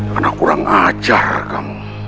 karena kurang ajar kamu